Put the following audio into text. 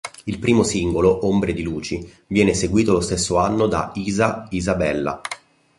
Il primo singolo, "Ombre di luci", viene seguito lo stesso anno da "Isa... Isabella".